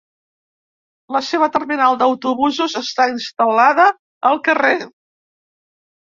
La seva terminal d'autobusos està instal·lada al carrer.